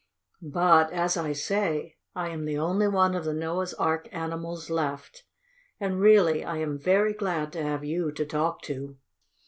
But, as I say, I am the only one of the Noah's Ark animals left, and really I am very glad to have you to talk to."